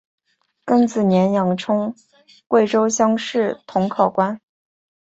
庚子年两充贵州乡试同考官。